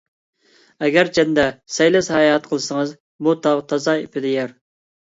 ئەگەرچەندە سەيلە - ساياھەت قىلسىڭىز، بۇ تاغ تازا ئېپىدە يەر.